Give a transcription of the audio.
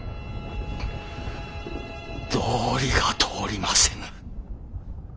道理が通りませぬ。